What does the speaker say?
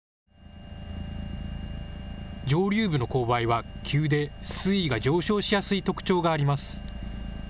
上流部の勾配は急で水位が上昇しやすい特徴があります。